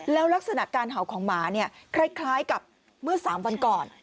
แล้วลักษณะการเห่าของหมาเนี่ยคล้ายกับเมื่อ๓วันก่อน